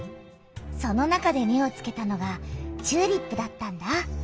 その中で目をつけたのがチューリップだったんだ。